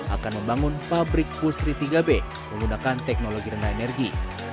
akan membangun pabrik pusri tiga b menggunakan teknologi rendah energi